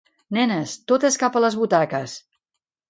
Nenes, totes cap a les butaques!